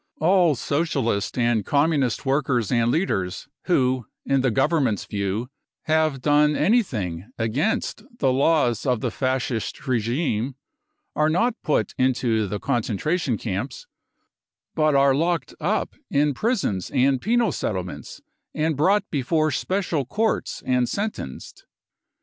All Socialist and Communist workers and leaders who in the Government's view have clone anything against the laws of the Fascist regime are not put into the concentration camps, but are locked up in prisons and penal settlements and brought before special courts and sentenced.